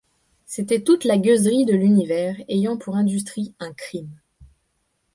C’était toute la gueuserie de l’univers ayant pour industrie un crime.